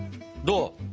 どう？